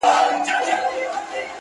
د احمدشاه له جګو غرونو سره لوبي کوي،